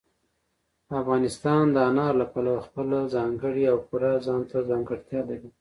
افغانستان د انارو له پلوه خپله ځانګړې او پوره ځانته ځانګړتیا لري.